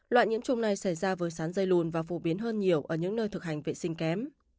loại nhiễm trùng này xảy ra với sán dây lùn và phổ biến hơn nhiều ở những nơi thực hành vệ sinh kém